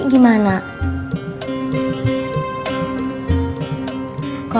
klo diama gak masalah